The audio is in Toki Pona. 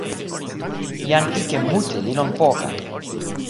jan ike mute li lon poka.